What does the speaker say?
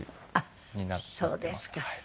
あっそうですか。